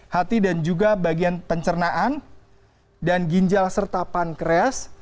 hati dan juga bagian pencernaan dan ginjal serta pankreas